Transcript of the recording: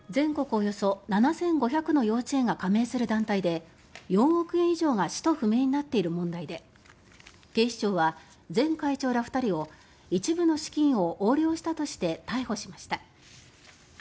およそ７５００の幼稚園が加盟する団体で４億円以上が使途不明になっている問題で警視庁は前会長ら２人を一部の資金を横領したとして逮捕しました。